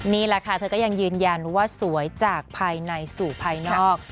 นี่แหละค่ะเธอก็ยังยืนยันว่าสวยจากภายในสู่ภายนอก